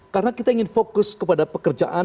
karena kita ingin fokus kepada pekerjaan